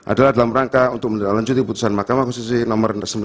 adalah dalam rangka untuk menelanjuti keputusan mahkamah posisi nomor sembilan puluh